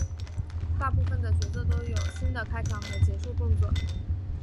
大部分的角色都有新的开场和结束动作。